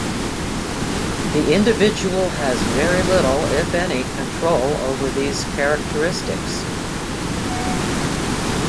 The individual has very little, if any, control over these characteristics.